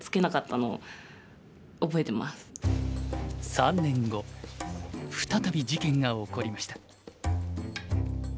３年後再び事件が起こりました。